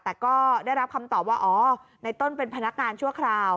แต่ก็ได้รับคำตอบว่าอ๋อในต้นเป็นพนักงานชั่วคราว